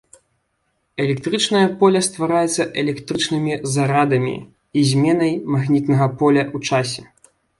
Электрычнае поле ствараецца электрычнымі зарадамі і зменай магнітнага поля ў часе.